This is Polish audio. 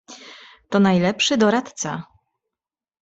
"To najlepszy doradca."